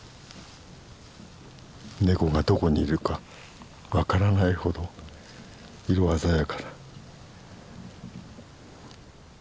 ネコがどこにいるか分からないほど色鮮やかだ。